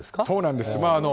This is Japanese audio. そうなんです。